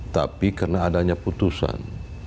tapi karena adanya putusan